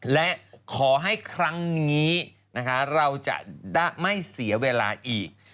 และขอให้ครั้งนี้นะคะเราจะได้ไม่เสียเวลาอีก